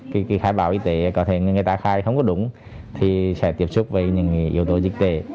cái khai báo y tế có thể người ta khai không có đúng thì sẽ tiếp xúc với những yếu tố dịch tễ